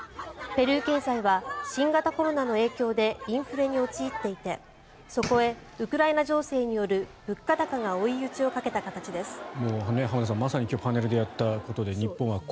ペルー経済は新型コロナの影響でインフレに陥っていてそこへウクライナ情勢による物価高が追い打ちをかけた形です。